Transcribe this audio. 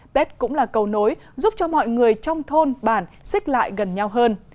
tết cũng là cầu nối giúp cho mọi người trong thôn bản xích lại gần nhau hơn